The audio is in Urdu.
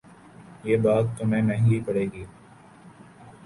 یہ بات تمہیں مہنگی پڑے گی